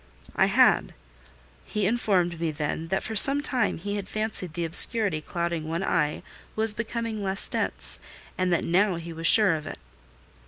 I had. He informed me then, that for some time he had fancied the obscurity clouding one eye was becoming less dense; and that now he was sure of it.